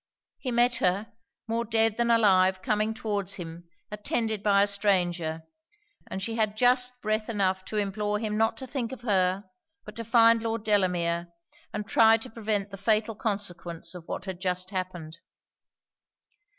He met her, more dead than alive, coming towards him, attended by a stranger; and she had just breath enough to implore him not to think of her, but to find Lord Delamere, and try to prevent the fatal consequence of what had just happened.